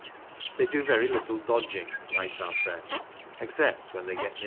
" They do very little dodging," writes our friend, '' except when they get near to